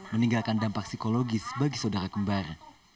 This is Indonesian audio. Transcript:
meninggalkan dampak psikologis bagi saudara kembar